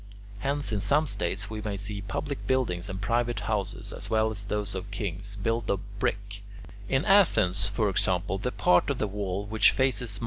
Hence in some states we may see public buildings and private houses, as well as those of kings, built of brick: in Athens, for example, the part of the wall which faces Mt.